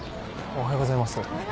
おはようございます。